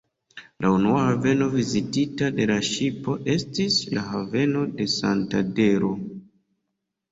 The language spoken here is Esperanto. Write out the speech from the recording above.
La unua haveno vizitita de la ŝipo estis la haveno de Santandero.